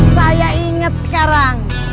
saya ingat sekarang